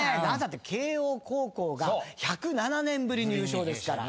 慶應高校が１０７年ぶりに優勝ですから。